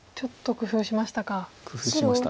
工夫しました。